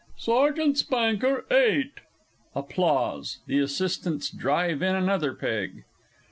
_) Sergeant Spanker eight! (_Applause; the Assistants drive in another peg.